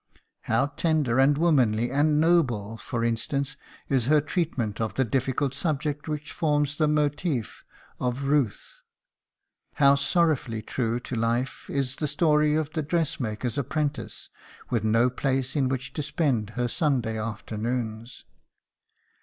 How tender and womanly and noble, for instance, is her treatment of the difficult subject which forms the motif of "Ruth"! How sorrowfully true to life is the story of the dressmaker's apprentice with no place in which to spend her Sunday afternoons!